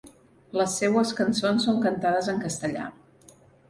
Les seues cançons són cantades en castellà.